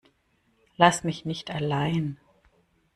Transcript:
Lass mich nicht allein.